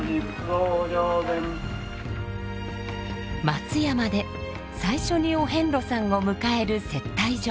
松山で最初にお遍路さんを迎える接待所。